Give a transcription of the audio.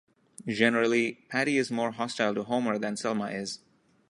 Generally, Patty is more hostile to Homer than Selma is.